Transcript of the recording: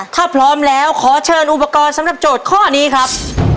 ถ้าพร้อมแล้วขอเชิญอุปกรณ์สำหรับโจทย์ข้อนี้ครับ